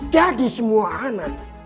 jadi semua anak